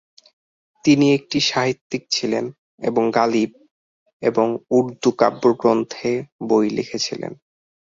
তিনি একটি সাহিত্যিক ছিলেন এবং গালিব এবং উর্দু কাব্যগ্রন্থে বই লিখেছিলেন।